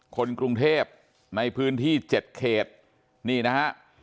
คนกรุงเทพในพื้นที่๗เขตนี่นะฮะ